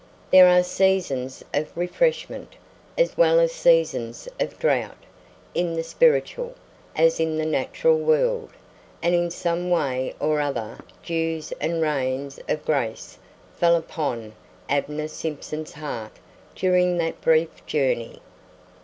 There are seasons of refreshment, as well as seasons of drought, in the spiritual, as in the natural world, and in some way or other dews and rains of grace fell upon Abner Simpson's heart during that brief journey.